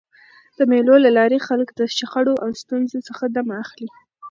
د مېلو له لاري خلک له شخړو او ستونزو څخه دمه اخلي.